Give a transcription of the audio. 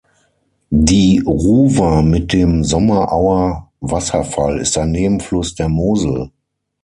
Die Ruwer mit dem Sommerauer Wasserfall ist ein Nebenfluss der Mosel.